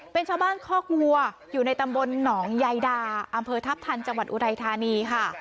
เป็นชาวบ้านคอกวัวอยู่ในตำบลหนองยายดาอำเภอทัพทันจังหวัดอุทัยธานีค่ะ